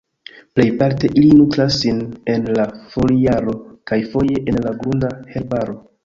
Plejparte ili nutras sin en la foliaro kaj foje en la grunda herbaro.